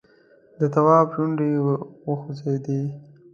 د تواب شونډې وخوځېدې!